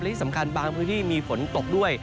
และที่สำคัญบางพื้นที่มีฝนตกด้วย